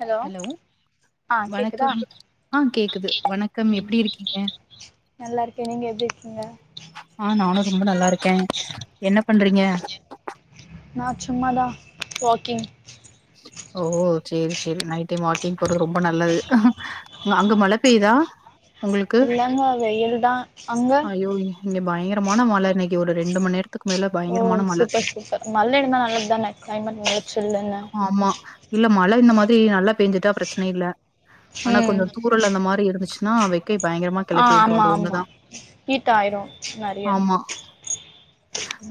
Hello ஆ கேக்குதா வணக்கம் ஆ கேக்குது வணக்கம் ம் எப்டி இருக்கீங்க நல்லா இருக்கே நீங்க எப்டி இருக்கீங்க ஆ நானும் ரொம்ப நல்லா இருக்கே என்ன பண்றீங்க நா சும்மாதா வாக்கிங் ஓ சேரி சேரி நைட் டைம் வாக்கிங் போறது ரொம்ப நல்லது அங்க மழ பெய்தா இல்லங்க வெயில் தா அங்க ஐய்யோ இங் இங்க பயங்கரமான மழ இன்னைக்கு ஒரு ரெண்டு மணிவரைக் ஓ சூப்பர் சூப்பர் மழன்னா நல்லது தானே க்ளைமேட் நல்லா சில்லுன்னு ஆமா இல்ல மழ இந்த மாரி நல்லா பேஞ்சுட்டா பிரச்சன இல்ல ஆனா ம் கொஞ்சோ தூரல் அந்த மாரி இருந்துச்சுன்னா வெ க்கைய பயங்கரமா கெளப்பி விட்ரு அது ஒன்னுதா ஹீட்டாயிரு நெறைய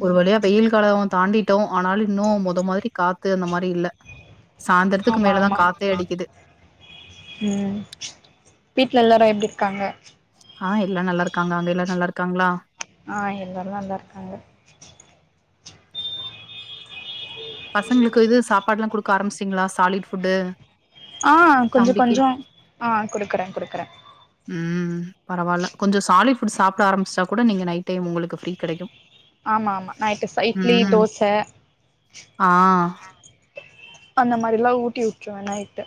ஒரு வழியா வெயில் காலோ தாண்டி ட்டோ ஆனாலு இன்னு மொத மாரி காத்து அந்த மாரி இல்ல சாய்ந்திரத்துக்கு ஆமா மேலதா ஆமா காத்தே அடிக்குது ம் வீட்ல எல்லாரு எப்டி இருக்காங்க ஆ எல்லா நல்லா இருக்காங்க அங்க எல்லா நல்லா இருக்காங்களா ஆ எல்லாரு நல்லா இருக்காங்க பசங்களுக்கு இது சாப்பாடெல்லா குடுக்க ஆரம்பிச்சிட்டிங்களா சாலிட் ஃபுட்டு ஆ கொஞ்சோ தம்பிக்கு கொஞ்சோ ஆ குடுக்குற குடுக்குற ம் பரவால்ல கொஞ்சோ சாலிட் ஃபுட் சாப்ட ஆரம்பிச்சுட்டா கூட நீங்க நைட் டைம் உங்களுக்கு ஃப்ரீ கெடைக்கும் ஆமா ஆமா நைட்டு ச இட்லி தோச ஆ அந்த மாரிலா ஊட்டி விட்டுருவே நைட்டு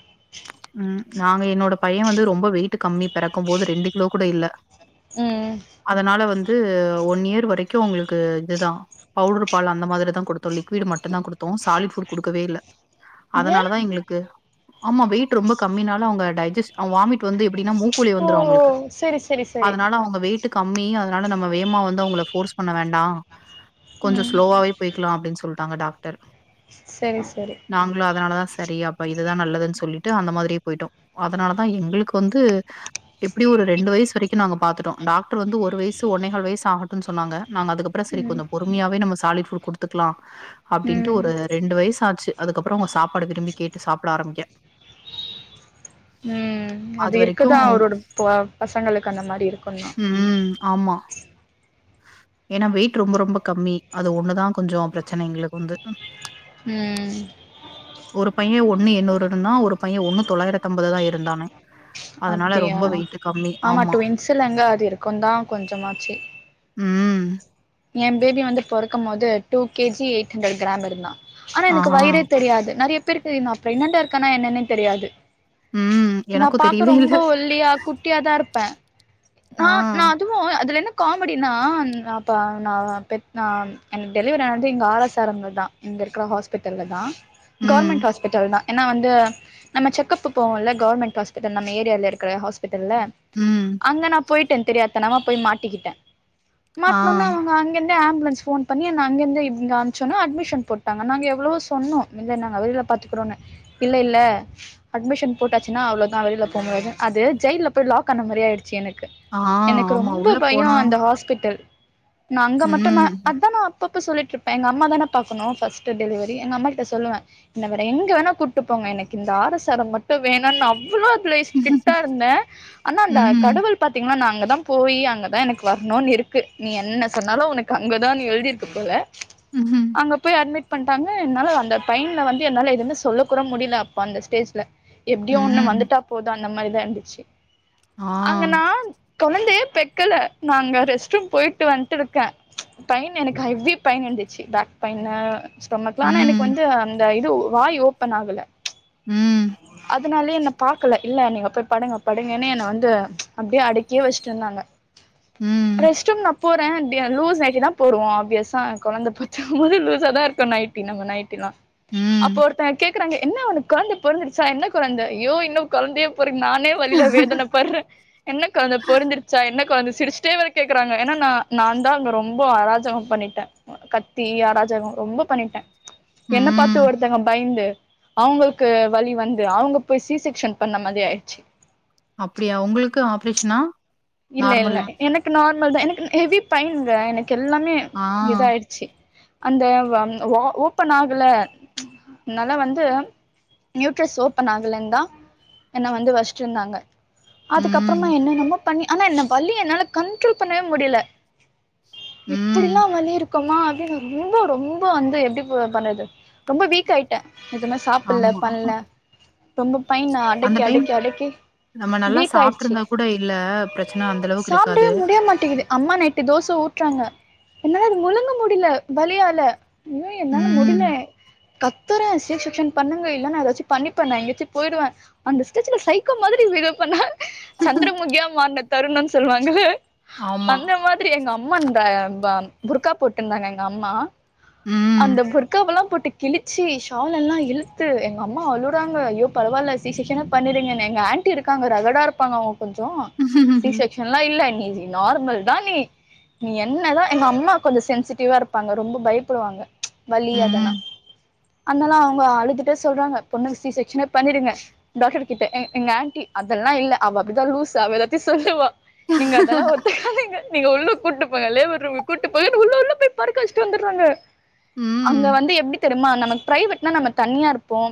ம் நாங்க என்னோட பைய வந்து ரொம்ப வெயிட் கம்மி பெறக்கும் போது ரெண்டு கிலோ கூட இல்ல ம் அதனால வந் து ஒன் இயர் வரைக்கோ அவுங்களுக்கு இதுதா‌ பவுட்ரு பாலு அந்த மாரி தா குடுத்தோ லிக்விட்‌ மட்டு தா குடுத்தோ சாலிட் ஃபுட் குடுக்கவே இல்ல ஏ அதனாலதா எங்களுக்கு ஆமா வெயிட் ரொம்ப கம்மினால அவுங்க டைஜிஸ் அவே வாமிட் வந்து எப்டின்னா மூக்கு வழி ஓ வந்துரு ஓ அவுங்களுக்கு செரி செரி செரி அதனால அவுங்க வெயிட்டு கம்மி அதனால நம்ம வேமா வந்து அவுங்கள ஃபோர்ஸ் பண்ண வேண்டா கொஞ்சோ ம் ஸ்லோவாவே போய்க்கல அப்டின்னு சொல்ட்டாங்க டாக்டர் செரி செரி நாங்களு அதனால தா செரி அப்ப இதுதா நல்லதுன்னு சொல்லி ட்டு அந்த மாரியே போயிட்டோ அதனால தா எங்களுக்கு வந்து எப்டியு ஒரு ரெண்டு வயசு வரைக்கோ நாங்க பாத்துட்டோ டாக்ரு வந்து ஒரு வயசு ஒன்னே கால் வயசு ஆகட்டு சொன்னாங்க நாங்க அதுக்கப்றோ சேரி ம் கொஞ்சோ பொறுமையாவே நம்ம சாலிட்‌ ஃபுட் குடுத்துக்கலா அப்டின்ட்டு ம் ஒரு ரெண்டு வயசாச்சு அதுக்கப்றோ அவுங்க சாப்பாடு விரும்பி கேட்டு சாப்ட ஆரம்பிக்க ம் அது இருக்குதா அதுவரைக்கும் ஒர் ஒரு ப பசங்களுக்கு அந்த மாரி இருக்குந்‌தா ம் ஆமா. ஏன்னா வெயிட் ரொம்ப ரொம்ப கம்மி அது ஒண்ணுதா கொஞ்சோ பிரச்சன எங்களுக்கு வந்து ம் ஒரு பையே ஒண்ணு என்னூறு இருந்தா ஒரு பையே ஒண்ணு தொள்ளாயிரத்து அம்பதுதா இருந்தானே அதனால அப்டியா ரொம்ப வெயிட்டு கம்மி ஆமா ட்வின்ஸ்ஸுலங்க அது இருக்குந்தா கொஞ்சமாச்சு ம் என் பேபி வந்து பொறக்கும் போது two KG eight hundred gram இருந்தா ஆனா ஆ எனக்கு வயிறே தெரியாது நெறையா பேருக்கு நா ப்ரெக்னன்ட்டா இருக்கேன்னா என்னன்னே தெரியாது ம் நா எனக்கு தெரி பாக்க ரொம்ப ஒல்லியா குட்டியாதா இருப்பே ந ஆ நா அதுவு அதுல என்ன காமெடினா அப்போ நா பெத் நா எனக்கு டெலிவெரி ஆனது எங்க ஆர் எஸ் ஆர் எம்-ல தா இங்க இருக்குற ஹாஸ்பிட்டல்ல தா ம் கவர்மெண்ட் ஹாஸ்பிட்டல் தா ஏன்னா வந்து நம்ம செக்கப்க்கு போவோல கவர்மெண்ட் ஹாஸ்பிட்டல் நம்ம ஏரியால இருக்குற ஹாஸ் பிட்டல்ல ம் அங்க நா போய்ட்டே தெரியாத்தனமா போய் மாட்டிக்கிட்டே ஆ மாட்னோன அவுங்க அங்கேந் தே ஆம்புலன்ஸ் ஃபோன் பண்ணி என்ன அங்கந்தே இங்க அம்ச்சோன அட்மிஷன் போட்டாங்க நாங்க எவ்ளோவோ சொன்னோ இல்ல நாங்க வெளில பாத்துக்கிறோனு இல்ல இல்ல அட்மிஷன் போட்டாச்சுன்னா அவ்ளோதா வெளில போ முடியாது அது ஜெயில்ல போய் லாக் ஆன மாரி ஆயிடுச்சு எனக்கு ஆ எனக்கு ஆமா ரொம்போ உள்ள பயோ போனா அந்த ஹாஸ்பிட்டல் நா அங்க மட்டும் நா ம் அதா நா அப்பப்ப சொல்லிட்டு இருப்பே எங்க அம்மா தானே பாக்கணும் ஃபர்ஸ்ட் டெலிவரி எங்க அம்மாகிட்ட சொல்லுவே என்ன வேற எங்க வேனா கூப்டு போங் க எனக்கு இந்த ஆர் எஸ் ஆர் எம் மட்டும் வேனானு நா அவ்வளோ ஸ்டிரிக்டா இருந்தே ஆனா அந்த ம்ஹ்ம் கடவுள் பாத்தீங்கன்னா நா அங்கதா போய் அங்கதா எனக்கு வரணுன்னு இருக்கு நீ என்ன சொன்னாலு உனக்கு அங்கதான்னு எழுதிருக்கு போல ம்ஹ்ம் அங்க போய் அட்மிட் பண்ட்டாங்க என்னால அந்த டைம்ல வந்து என்னால எதுவுமே சொல்ல கூட முடியல அப்ப அந்த ஸ்டேஜ்ல எப்படியோ ஒண்ணு ம் வந்துட்டா போதும் அந்த மாரிதா இருந்துச்சு ஆ குழந்தைய பெக்கல நாங்க ரெஸ்ட் ரூம் போயிட்டு வந்ட்டு இருக்கே பைன் எனக்கு ஹெவி பெயின் துச்சு பேக் பெயின் ஸ்டோமக் பெயின் ஆனா எனக்கு ம் வந்து அந்த இது வாய் ஓபன் ஆகல ம் அதனாலயே என்னை பாக்கல இல்ல நீங்க போய் படுங்க படுங்கன்னு என்ன வந்து அப்படியே அடக்கியே வச்சுட்டு இருந்தாங்க ம் ரெஸ்ட் ரூம் நா போறேன் இப்டி லூஸ் ஆக்கிதா போடுவோ ஆப்வியஸா கொழந்த பெக்கும்போது லூஸா தா இருக்கும் நைட்டி நம்ம நைட்டிலா அப்ப ம் ஒருத்தங்க கேக்குறாங்க என்ன ஒனக்கு கொழந்த பொறந்துடுச்சா என்ன கொழந்த அய்யோ இன்னும் கொழந்தையே பொறக் நானே வழியில வேதன படுறேன் என்ன கொழந்த பொறந்திருச்சா என்ன கொழந்த சிரிச்சுட்டே வேர கேக்குறாங்க ஏன்னா ந நான் தா அங்க ரொம்ப அராஜகம் பண்ணிட்டே கத்தி அராஜகம் ரொம்ப பண்ணிட்டே என்ன பாத்து ம் ஒருத்தங்க பயந்து அவங்களுக்கு வலி வந்து அவங்க போய் சீ செக்ஷன் பண்ண மாதிரி ஆயிடுச்சு அப்படியா உங்களுக்கு ஆப்ரேஷனா இல்ல இல்ல நார்மல் எனக்கு நார்மல் தா எனக்கு ஹெவி பெயின் எனக் எல்லாமே ஆ இதாயிடுச்சு அந்த ஓப்பன் ஆகல நாலா வந்து நியூட்ரஸ் ஓப்பன் ஆகலன் தா என்ன வந்து வச்சிட்டு இருந்தாங்க ம் அதுக்கப்புறமா என்னென்னமோ பண்ணி ஆனா என்ன வலி என்னால கண்ட்ரோல் பண்ணவே முடியல ம் இப்படிலா வலி இருக் குமா அப்படின்னு ரொம்ப ரொம்ப வந்து எப்படி பண்றது ரொம்ப வீக் ஆயிட்டே எதுமே சாப்பல ஆமா பண்ல ரொம்ப பெயின் அந்த அடக்கி டைம் அடக்கி அடக்கி நம்ம நல்லா வீக் ஆயிடுச்சு சாப்ட்ருந்தா கூட இல்ல பிரச்சன அந்த அளவுக்கு இருக்காது. சாப்டவே முடிய மாட்டேங்கிது அம்மா நைட்டு தோச ஊட்றாங்க என்னால அது முழுங்க முடியல வலியால யோ என்னால ம். முடியல கத்துறே சீ செக்ஷன் பண்ணுங்க இல்லன்னா ஏதாச்சும் பண்ணிப்பே நா எங்காச்சும் போயிடுவே அந்த ஸ்டேஜ்ல சைக்கோ மாதிரி பிகுவுப்பண்ணா சந்திரமுகியா மாறுன தருணன்னு சொல்லுவாங்கள ஆமா. அந்த மாதிரி எங்க அம்மா இந்த பா புருக்கா போட்டுருந்தாங்க எங்க அம்மா ம். அந்த புர்காவல்லாம் போட் டு கிழிச்சி ஷால் எல்லாம் இழுத்து எங்க அம்மா அழுறாங்க ஐயோ பரவாயில்ல சீசெக்ஷனே பண்ணீருங்க என்ன‌ எங்க ஆண்டி இருக்காங்க ரகடா இருப்பாங்க அவுங்க கொஞ்சோ சி செக்ஷன்லாம் இல்ல நீ நார்மல் தான் நீ நீ என்னதான் எங்க அம்மா கொஞ்சம் சென்சிட்டிவா இருப்பாங்க ரொம்ப பயப்படுவாங்க வலி அதல்லாம் ம். அதனலா அவு க அழுதுட்டே சொல்றாங்க பொண்ணுக்கு சிஷெக்சனே பண்ணிடுங்க டாக்டர் கிட்ட எங்க ஆண்டி அதெல்லாம் இல்லை அவ அப்படித்தான் லூசு அவ எதாத்தையும் சொல்லுவா நீங்க அதெல்லாம் ஒத்துக்காதிங்க நீங்க உள்ள கூட்டு லேபர் ரூமுக் கூட்டுப்போயி உள்ள உள்ள போய் படுக்க வெச்சு வந்துடுறாங்க அங்க ம். வந்து எப்டி தெரிமா நமக்கு பிரைவேட்னா நம்ம தனியா இருப்போம்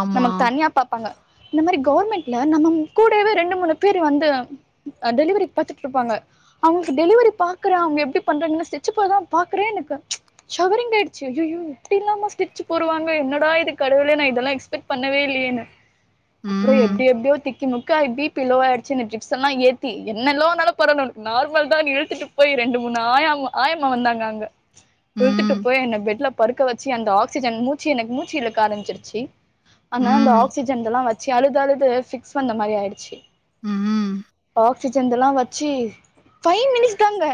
ஆமா. நமக்கு தனியா பாப்பாங்க இந்த மாரி கவர்மெண்ட்ல நம்ம கூடவே ரெண்டு மூணு பேர் வந்து டெலிவரி பாத்துட்டுருப்பாங்க அவுங்க்கு டெலிவரி பாக்கற அவங்க எப்படி பண்றாங்கன்னு ஸ்டெச்போடதா பாக்கறே எனக்கு ஷவரிங் ஆயிடுச்சு அய்யய்யோ இப்படி இல்லாம ஸ்டிச்சு போடுவாங்க என்னடா இது கடவுளே நா இதெல்லாம் எக்ஸ் பெட் பண்ணவே இல்லையேன்னு அப்புறம் ம். எப்படி எப்படியோ திக்கி முக்க பீபி லோ ஆயிடுச்சுன்னு டிரிப்ஸ் ஸல்லாம் ஏத்தி என்னலோனாலு பரவால்ல உனக்கு நார்மல் தானு இழுத்துட்டு போயி ரெண்டு மூணு ஆயாம்மா ஆயம்மா வந்தாங்க அங்க இழுத்துட்டு ம். போய் என் பெட்ல பருக்க வச்சு அந்த ஆக்சிஜன் மூச்சு எனக்கு மூச்சிலுக்க ஆரம்பிச்சிருச்சு அதனாலா இந்த ம். ஆக்சிஜன்ல்லாம் வச்சு அழுது அழுது பிக்ஸ் வந்த மாதிரி ஆயிடுச்சு உஹம் ஆக்சிஜன்ல்லாம் வச்சு பைவ் மினிட்ஸ் தாங்க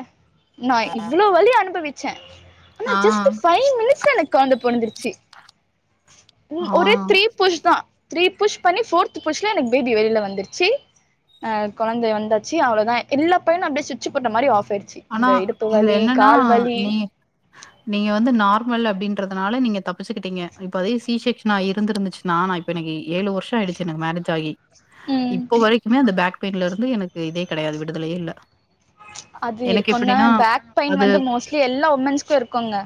நான் இவ்ளோ வலிய அனுபவிச்சேன் ஆனா ஆ. ஜஸ்ட் பை் மினிட்ஸ்ல எனக் கொழந்த பொறந்துருச்சி ஆ. ஒரே த்ரீ புஷ் தான் த்ரீ புஷ் பண்ணி ஃபோர்த் புஷ்ல எனக்கு பேபி வெளில வந்துருச்சி கொழந்தை வாந்தாச்சி அவ்ளோதான் எல்லா பைனு அப்படியே ஸ்விட்ச்சு போட்ட மாரி ஆஃப் ஆயிடுச்சு ஆனா இந்த இடுப்பு இதுல வலி என்னன்னா கால் வலி நீ நீங்க வந்து நார்மல் அப்படின்றத் தனால நீங்க தப்பிச்சுக்கிட்டீங்க இப்ப அதே சீசேக்ஷனா இரு இருந்துச்சுன்னான் இப்ப எனக்கு ஏழு வருஷம் ஆயிச்சு எனக்கு மேரேஜ் ஆகி ம் இப்போ வரைக்குமே அந்த பேக் பெயின்ல இருந்து எனக்கு இதே கிடையாது விடுதலயே இல்ல அது எனக்கு இருக்கும் எப்டின்னா தான் பேக் பெயின் அது வந்து மோஸ்ட்லி எல்லா உமன்ஸ்கும் இருக்குங்க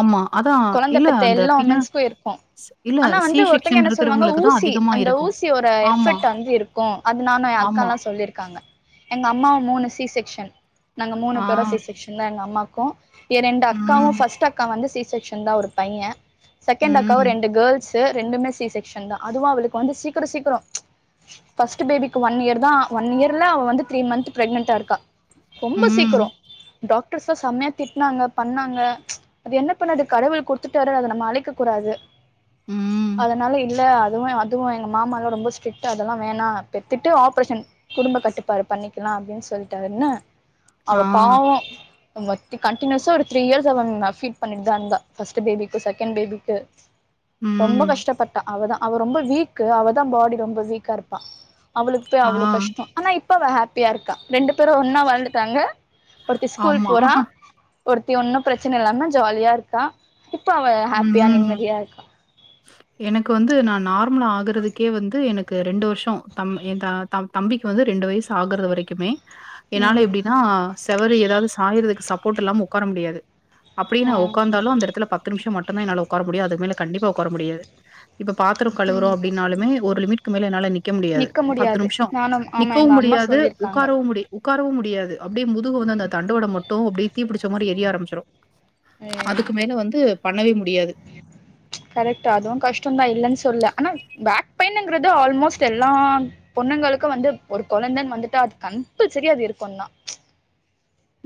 ஆமா. அதான் கொழந்த இல்ல பெத்த அந்த எல்லா பின்னா உமன்ஸ்க்கும் இருக்கும் ஸ் இல்ல ஆனா சி வந்து ஒருத்தங்க செக்ஷன் என்ன சொல்லுவாங்க இருக்கிறவங்களுக்கு தான் ஊசி அதிகமா அந்த இருக்கும். ஊசியோட ஆமா, எஃப்பெக்ட் வந்து இருக்கும் அது நானு அக்கா ஆமா. எல்லாம் சொல்லிருக்காங்க எங்க அம்மாவும் மூணு சிசெக்ஷன் நாங்க மூணு ஆ. பேரும் சீசிக்ஷக்சன் தா எங்க அம்மாக்கும் என் ரெண்டு ம். அக்காவும் பஸ்ட் அக்கா வந்து சி க்ஷக்சன் தான் ஒரு பையன் செகண்ட் அக்கா ம். ஒரு ரெண்டு கேர்ள்ஸ் ரெண்டுமே சிசெக்ஷன் தான் அதுவும் அவளுக்கு வந்து சீக்கரோ சீக்கரோ ஃபர்ஸ்ட் பேபிக்கு ஒன் இயர் தான் ஒன் இயர்ல அவ வந்து த்ரீ மந்த் பிரெக்னென்டா இருக்கா ரொம்ப ம். சீக்கரோ டாக்டர்ஸு செமையா திட்டனாங்க பண்ணாங்க அது என்ன பண்ணடு கடவுள் குடுத்துட்டாரு அத நம்ம அழிக்க கூடாது ம். அதனால இல்ல அதுவு அதுவும் எங்க மாமா எல்லாம் ரொம்ப ஸ்டிரிக்ட்டு அதெல்லா வேணா பெத்துட்டு ஆப்ரேஷன் குடும்ப கட்டுப்பாடு பண்ணிக்கலா அப்படின்னு சொல்லிட்டாருன்னு அவ ஆ. பாவோ கண்டினியூஸ்ஸா ஒரு த்ரீ இயர்ஸா அவபீட் பண்ணிட்டு தான் இருந்தா ஃபர்ஸ்ட் பேபிக்கு செகண்ட் பேபிக்கு ரொம்ப ம். கஷ்டப்பட்டா அவதா அவ ரொம்ப வீக்கு அவதா பாடி ரொம்ப வீக்கா இருப்பா அவளுக்கு போய் ஆ. அவ்ளோ கஷ்டம் ஆனா இப் ப ஹாப்பியா இருக்கா ரெண்டு பேரும் ஒன்னா வளந்துட்டாங்க ஒருத்தி ஸ்கூல் ஆமா. போறா ஒருத்தி ஒன்னும் பிரச்சனை இல்லாம ஜாலியா இருக்கா இப்ப அவ ஹாப்பியா ம். நிம்மதியா இருக்கா எனக்கு வந்து நான் நார்மல ஆகுறதுக்கே வந்து எனக்கு ரெண்டு வருஷம் தம் என் தா தம் தம்பிக்கு வந்து ரெ ண்டு வயசு ஆகறது வரைக்குமே என்னால ம் எப்படின்னா செவரு ஏதாவது சாயறதுக்கு சப்போர்ட் இல்லாம உக்கார முடியாது அப்படியே நா ஆ ஒக்காந்தாலு அந்த எடத்துல பத்துநிமிஷ மட்டும் தா என்னால ஒக்கார முடியு அதுக்கு மேல கண்டிப்பா ஒக்கார முடியது இப்ப பாத்திர கழுவுறோ ம் அப்பின்னாலுமே ஒரு லிமிட்க மேல என்னால நி க்க முடியாது நிக்க பத்து முடியாது நிமசோ நானும் ஆமா நிக்கவு எங்க அம்மா முடியாது சொல்லிருக்காங்க உக்காரவும் முடியாது உ க்காரவு முடியாது அப்டியே முதுகு வந்து அந்த ம் தண்டுவட மட்டு அடியே தீ பிடிச்சமாரி எரிய ஆம்பிச்சிரு ஏ அதுக்கு மேல வந்து பண்ணவே முடியாது கரெட் அதுவு கஷ்டந்தா இல்லன்னு சொல்ல ஆனா பேக் பெய்ன்குறது ஆல்மோஸ்ட் எல்லா பொண்ணுங்களுக் கு வந்து ஒரு கொழந்தைன்ன வந்துட்டு அது கம்பல்சரி அது இருக்குந்தா